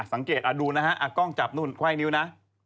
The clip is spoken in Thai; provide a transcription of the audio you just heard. สังเกตดูนะฮะกล้องจับนู่นไขว้นิ้วนะ